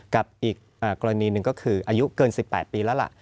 กับอีกกรณีหนึ่งก็คืออายุเกิน๑๘ปีแล้วล่ะ